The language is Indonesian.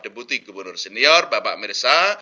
debuti gubernur senior bapak mirza